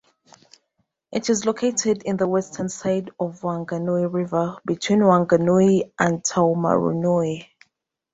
It is located on the western side the Whanganui River between Wanganui and Taumarunui.